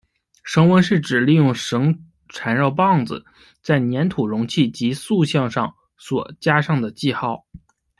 绳文是指利用绳缠绕棒子在黏土容器及塑像上所加上的记号。